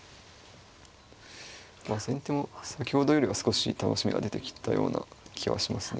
まあ先手も先ほどよりは少し楽しみが出てきたような気はしますね。